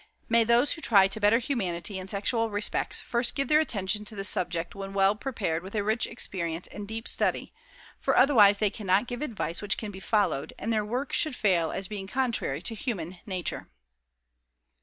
May those who try to better humanity in sexual respects first give their attention to the subject when well prepared with a rich experience and deep study, for otherwise they cannot give advice which can be followed, and their work should fail as being contrary to human nature."